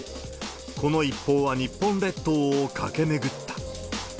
この一報は日本列島を駆け巡った。